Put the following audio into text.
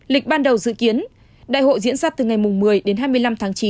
lịch ban đầu dự kiến đại hội diễn ra từ ngày một mươi đến hai mươi năm tháng chín